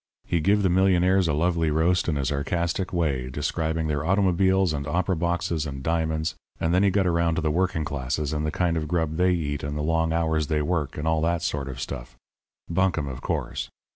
He give the millionaires a lovely roast in a sarcastic way, describing their automobiles and opera boxes and diamonds; and then he got around to the working classes and the kind of grub they eat and the long hours they work and all that sort of stuff bunkum, of course.